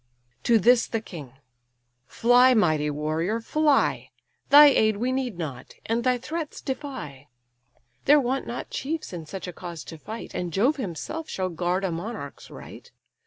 To this the king: "Fly, mighty warrior! fly; Thy aid we need not, and thy threats defy. There want not chiefs in such a cause to fight, And Jove himself shall guard a monarch's right.